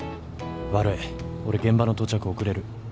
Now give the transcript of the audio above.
「悪い俺現場の到着遅れる」